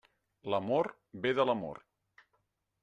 L'amor ve de l'amor.